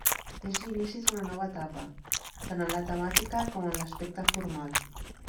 És l'inici d'una nova etapa, tant en la temàtica com en l'aspecte formal.